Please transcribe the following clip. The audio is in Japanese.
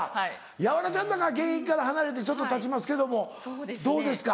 ヤワラちゃんなんか現役から離れてちょっとたちますけどもどうですか？